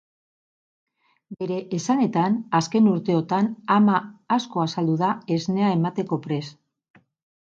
Bere esanetan, azken urteotan ama asko azaldu da esnea emateko prest.